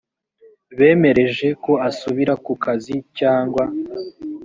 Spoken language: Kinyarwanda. bemereje ko asubira ku kazi cyangwa